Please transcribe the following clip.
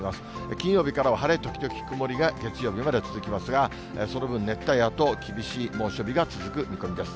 金曜日からは晴れ時々曇りが月曜日まで続きますが、その分、熱帯夜と厳しい猛暑日が続く見込みです。